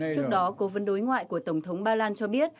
trước đó cố vấn đối ngoại của tổng thống ba lan cho biết